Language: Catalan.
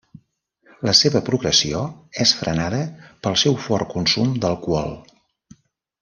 La seva progressió és frenada pel seu fort consum d'alcohol.